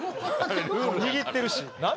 握ってるし。